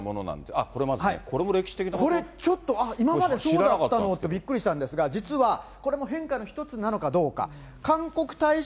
あっ、これですね、これも歴史的これ、ちょっと今まで知られていなかったので、びっくりしたんですが、実は、これも変化の一つなのかどうか。